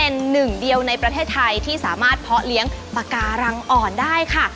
เป็นหนึ่งเดียวในประเทศไทยที่สามารถเพาะเลี้ยงปากการังอ่อนได้ค่ะ